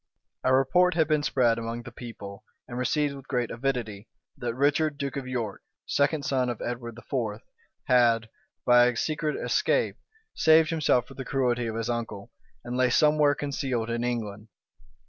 A report had been spread among the people, and received, with great avidity, that Richard, duke of York, second son of Edward IV., had, by a secret escape, saved himself from the cruelty of his uncle, and lay somewhere concealed in England.